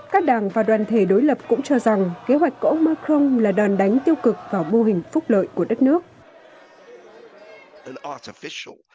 các đảng và đoàn thể đối lập cũng cho rằng kế hoạch của ông macron là đòn đánh tiêu cực vào mô hình phúc lợi của đất nước